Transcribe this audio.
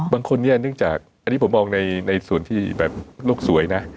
บางคนเนี่ยเนื่องจากอันนี้ผมมองในส่วนที่แบบโลกสวยนะ